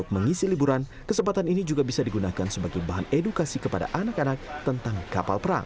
mengisi liburan kesempatan ini juga bisa digunakan sebagai bahan edukasi kepada anak anak tentang kapal perang